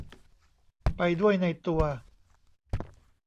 ไปด้วยในตัว